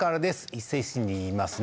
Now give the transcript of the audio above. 伊勢市にいますね。